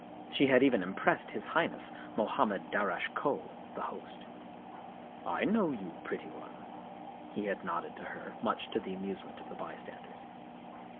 She had even impressed his highness, Mohammed Darasche Koh, the host. " I know you, pretty one," he had nodded to her, much to the amusement of the bystanders.